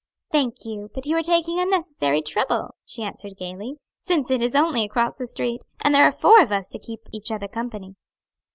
"Thank you; but you are taking unnecessary trouble," she answered gayly, "since it is only across the street, and there are four of us to keep each other company."